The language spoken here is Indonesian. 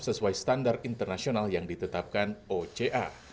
sesuai standar internasional yang ditetapkan oca